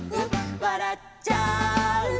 「わらっちゃうね」